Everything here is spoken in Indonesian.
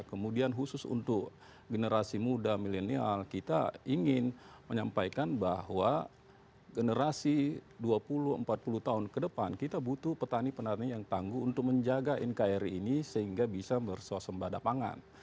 kemudian khusus untuk generasi muda milenial kita ingin menyampaikan bahwa generasi dua puluh empat puluh tahun ke depan kita butuh petani petani yang tangguh untuk menjaga nkri ini sehingga bisa bersuasembada pangan